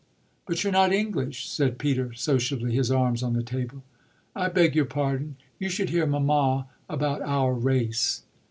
"But you're not English," said Peter sociably, his arms on the table. "I beg your pardon. You should hear mamma about our 'race.'"